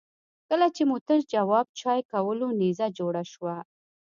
کله چې مو تش جواب چای کولو نيزه جوړه شوه.